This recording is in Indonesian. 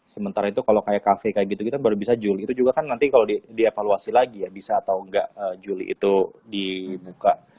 sementara itu kalo kayak cafe gitu gitu kan baru bisa juli itu juga kan nanti kalo dievaluasi lagi bisa atau nggak juli itu dibuka